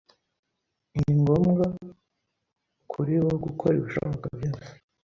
Ni ngombwa kuri bo gukora ibishoboka byose.